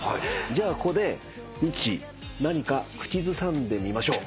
じゃあここでみっちー何か口ずさんでみましょう。